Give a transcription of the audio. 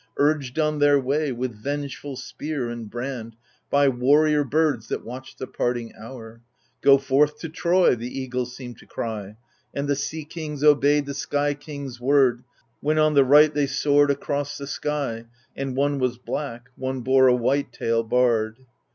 Urged on their way, with vengeful spear and brand, By warrior birds, that watched the parting hour. Go forth to Troy^ the eagles seemed to cry — And the sea kings obeyed the sky kings' word, When on the right they soared across the sky, And one was black, one bore a white tail barred.